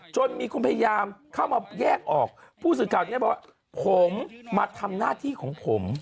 จนมีคุณพยายามเข้ามาแยกออกผู้สื่อข่าวเนี่ยบอกว่าผมมาทำหน้าที่ของผม